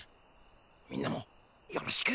みんなもよろしく。